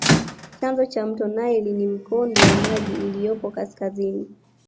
Chanzo cha mto nile ni mikondo ya maji iliyopo kaskazini